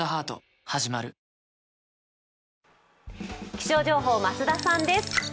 気象情報、増田さんです。